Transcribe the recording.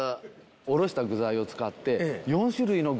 おろした具材を使って。